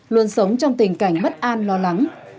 luôn sống trong tình cảnh bất an lo lắng